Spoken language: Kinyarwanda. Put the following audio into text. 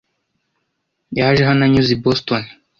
Yaje hano anyuze i Boston.